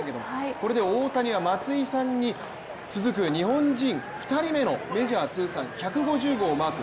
これで大谷は松井さんに続く日本人２人目のメジャー通算１５０号をマーク。